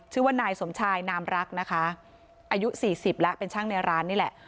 ชื่อว่านายสมชายนามรักนะคะอายุสี่สิบแล้วเป็นช่างในร้านนี่แหละ